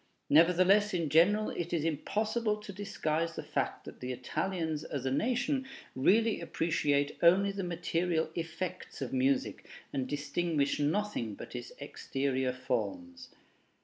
Nevertheless, in general it is impossible to disguise the fact that the Italians as a nation really appreciate only the material effects of music, and distinguish nothing but its exterior forms.